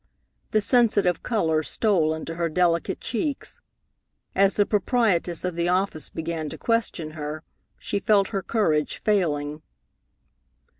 The sensitive color stole into her delicate cheeks. As the proprietress of the office began to question her, she felt her courage failing.